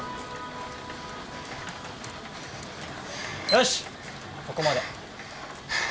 よしここまで。